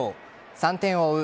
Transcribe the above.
３点を追う